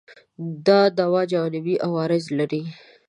دا دوا جانبي عوارض لري؟